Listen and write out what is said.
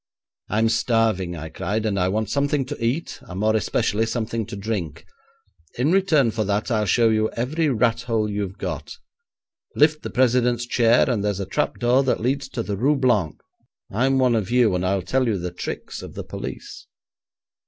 '"I'm starving," I cried, "and I want something to eat, and more especially something to drink. In return for that I'll show you every rat hole you've got. Lift the president's chair, and there's a trap door that leads to the Rue Blanc. I'm one of you, and I'll tell you the tricks of the police."